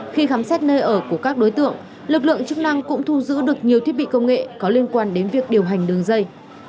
khi khám xét nơi ở của các đối tượng lực lượng chức năng cũng thu giữ được nhiều thiết bị công nghệ có liên quan đến việc điều hành đường dây